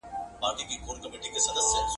د خوښیو د مستیو ږغ له غرونو را غبرګیږي